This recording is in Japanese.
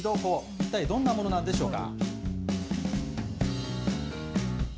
一体、どんなものなんでしょうか。